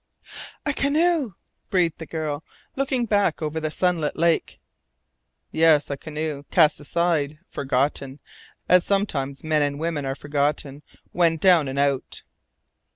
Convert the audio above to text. "A canoe!" breathed the girl, looking back over the sunlit lake. "Yes, a canoe, cast aside, forgotten, as sometimes men and women are forgotten when down and out."